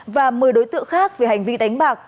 và một mươi đối tượng khác về hành vi đánh bạc